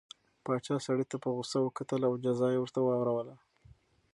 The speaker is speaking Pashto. پاچا سړي ته په غوسه وکتل او جزا یې ورته واوروله.